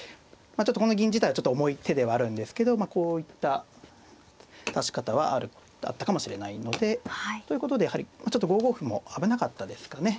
この銀自体はちょっと重い手ではあるんですけどこういった指し方はあったかもしれないので。ということでやはりちょっと５五歩も危なかったですかね。